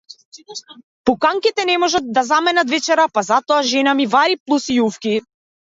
Пуканките не можат да заменат вечера, па затоа жена ми вари плус и јуфки.